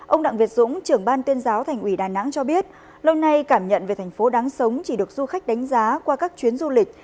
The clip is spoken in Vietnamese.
ông đặng việt dũng trưởng ban tuyên giáo thành ủy đà nẵng cho biết lâu nay cảm nhận về thành phố đáng sống chỉ được du khách đánh giá qua các chuyến du lịch